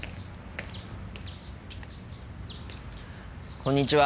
こんにちは。